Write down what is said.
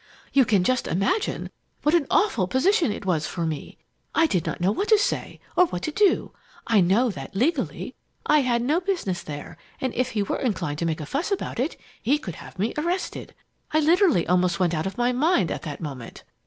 "You can just imagine what an awful position it was for me! I did not know what to say or what to do. I know that, legally, I had no business there, and if he were inclined to make a fuss about it, he could have me arrested. I literally almost went out of my mind at that moment.